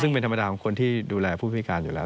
ซึ่งเป็นธรรมดาของคนที่ดูแลผู้พิการอยู่แล้ว